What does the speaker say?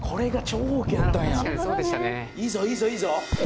いいぞいいぞ。